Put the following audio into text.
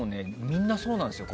みんなそうなんですよ。